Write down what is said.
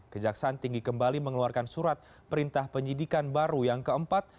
kejaksaan tinggi kembali mengeluarkan surat perintah penyidikan baru yang keempat